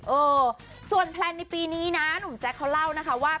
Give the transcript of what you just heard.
เออส่วนแพลนในปีนี้นะหนุ่มแจ๊คเขาเล่านะคะว่า